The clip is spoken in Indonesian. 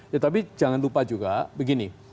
ya tapi jangan lupa juga begini